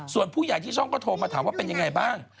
ส่วนผู้ใหญ่ที่ช่องก็โทรมาถามว่าเป็นยังไงบ้าง